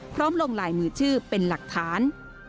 ลงลายมือชื่อเป็นหลักฐาน